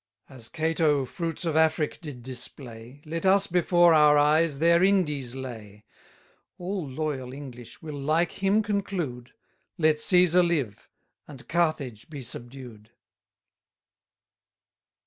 40 As Cato fruits of Afric did display, Let us before our eyes their Indies lay: All loyal English will like him conclude; Let Cæsar live, and Carthage be subdued.